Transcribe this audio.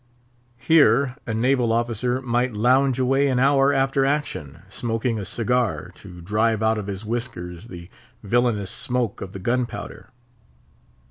Here a naval officer might lounge away an hour after action, smoking a cigar, to drive out of his whiskers the villainous smoke of the gun powder.